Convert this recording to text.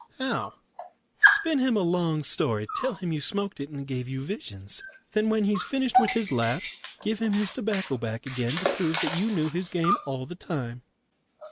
"How?" "Spin him a long story. Tell him you smoked it and it gave you visions. Then when he's finished with his laugh, give him his tobacco back again to prove that you knew his game all the time."